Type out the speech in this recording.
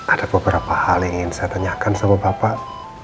ada beberapa hal yang ingin saya tanyakan sama bapak